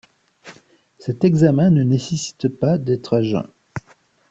Cet examen ne nécessite pas d'être à jeun.